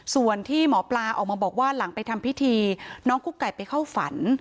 ส่วนที่หมอปลาออกมาบอกว่าหลังไปทำพิธีน้องกุ๊กไก่ไปเข้าฝัน